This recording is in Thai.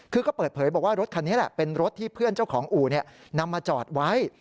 คือก็เปิดเผยบอกว่ารถคันนี้แหละเป็นรถที่เพื่อนเจ้าของอู่นำมาจอดไว้